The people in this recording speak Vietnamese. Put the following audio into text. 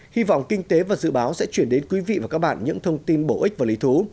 hy vọng kinh tế và dự báo sẽ chuyển đến quý vị và các bạn những thông tin bổ ích và lý thú